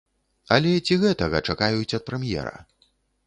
Але ці гэтага чакаюць ад прэм'ера?